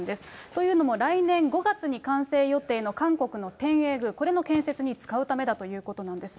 というのも、来年５月に完成予定の韓国の天苑宮、これの建設に使うためだということです。